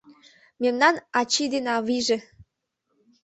Мемнан ачий ден авийже